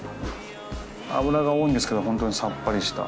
脂が多いんですけどホントにさっぱりした。